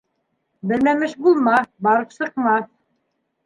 Белмәмеш булма: барып сыҡмаҫ!